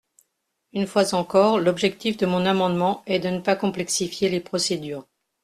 Une fois encore, l’objectif de mon amendement est de ne pas complexifier les procédures.